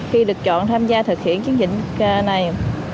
khi được chọn tham gia thực hiện chương trình này